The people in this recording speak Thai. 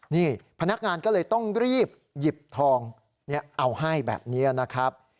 นี่พนักงานก็เลยต้องรีบหยิบทองเอาให้แบบนี้นะครับ